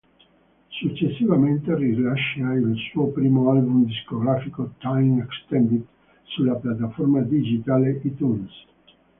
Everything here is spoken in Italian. Successivamente rilascia il suo primo album discografico, "Time Extended" sulla piattaforma digitale iTunes.